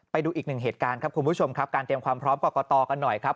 ไปดูอีกหนึ่งเหตุการณ์ครับคุณผู้ชมครับการเตรียมความพร้อมกรกตกันหน่อยครับ